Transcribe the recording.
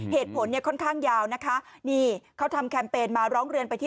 เหตุผลเนี่ยค่อนข้างยาวนะคะนี่เขาทำแคมเปญมาร้องเรียนไปที่